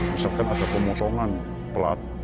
misalkan ada pemotongan pelat